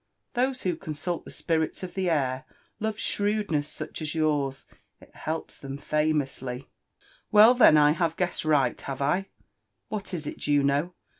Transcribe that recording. Those ^ho consult the spirits of the air love shrewdness such as yours ; it helps them famously/' ''Well, then, I have guessed right, have I ?— What is it, Juno?